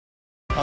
あ！